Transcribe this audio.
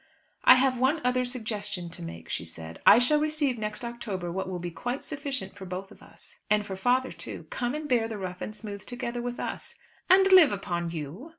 "I have one other suggestion to make," she said. "I shall receive next October what will be quite sufficient for both of us, and for father too. Come and bear the rough and the smooth together with us." "And live upon you?"